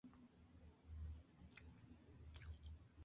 Tú no puedes explicar eso.